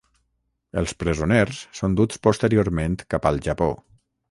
Els presoners són duts posteriorment cap al Japó.